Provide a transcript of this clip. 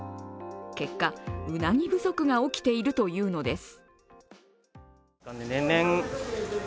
結果、うなぎ不足が起きているというのです。